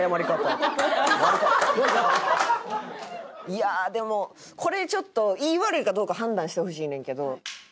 いやあでもこれちょっといい悪いかどうか判断してほしいねんけど。